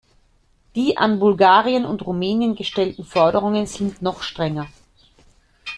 Die an Bulgarien und Rumänien gestellten Forderungen sind noch strenger.